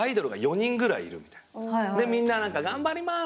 でみんな「頑張ります！」